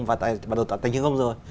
và tài chính công rồi